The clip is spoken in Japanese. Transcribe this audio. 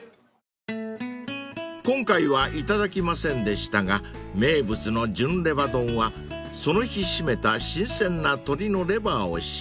［今回はいただきませんでしたが名物の純レバ丼はその日絞めた新鮮な鶏のレバーを使用］